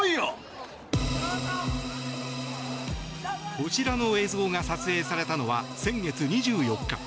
こちらの映像が撮影されたのは先月２４日。